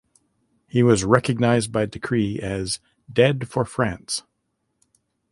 He was recognised by decree as "Dead for France".